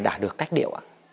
đã được cách điệu ạ